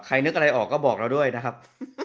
อันดับแล้วมาบอกได้นะครับ